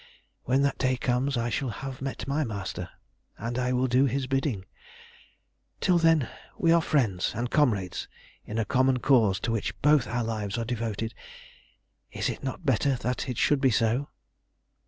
When that day comes I shall have met my master, and I will do his bidding. Till then we are friends and comrades in a common Cause to which both our lives are devoted. Is it not better that it should be so?"